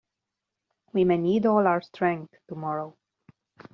We may need all our strength tomorrow.